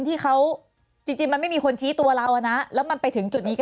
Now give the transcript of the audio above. ที่เขาจริงมันไม่มีคนชี้ตัวเราอ่ะนะแล้วมันไปถึงจุดนี้ก็